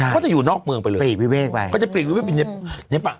เขาจะอยู่นอกเมืองไปเลย